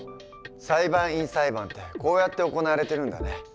裁判員裁判ってこうやって行われてるんだね。